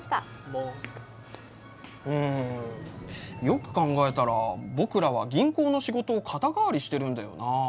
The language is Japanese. よく考えたら僕らは銀行の仕事を肩代わりしてるんだよなあ。